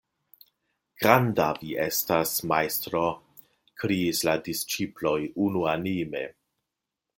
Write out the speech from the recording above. "Granda vi estas majstro!" Kriis la disĉiploj unuanime.